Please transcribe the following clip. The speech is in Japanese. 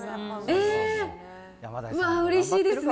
えー、うわ、うれしいですね。